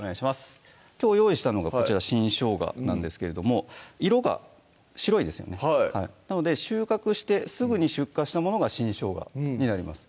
きょう用意したのがこちら新しょうがなんですけれども色が白いですよねはい収穫してすぐに出荷したものが新しょうがになります